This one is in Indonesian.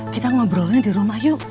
kita ngobrolnya di rumah yuk